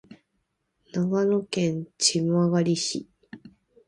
長野県千曲市